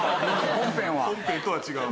本編とは違う。